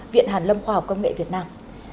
viện hàn lâm khoa học công nghệ việt nam